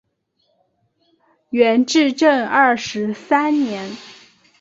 元至正二十三年。